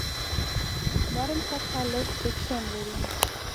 نرم سطحه لږ فریکشن لري.